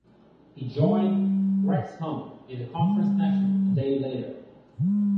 He joined Wrexham in the Conference National a day later.